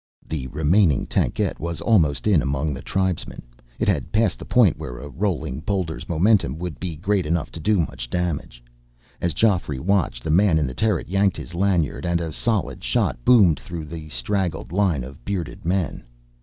The remaining tankette was almost in among the tribesmen. It had passed the point where a rolling boulder's momentum would be great enough to do much damage. As Geoffrey watched, the man in the turret yanked his lanyard, and a solid shot boomed through the straggled line of bearded men.